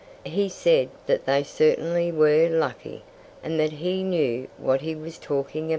He said that they certainly were lucky, and that he knew what he was talking about.